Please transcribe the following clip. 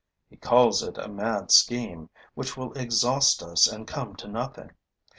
He calls it a mad scheme, which will exhaust us and come to nothing.